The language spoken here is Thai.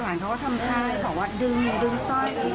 หลานเขาก็ทำใช่เขาว่าดึงดึงสร้อยหี่อ้อย